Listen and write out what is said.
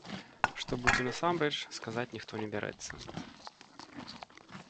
Што будзе насамрэч, сказаць ніхто не бярэцца.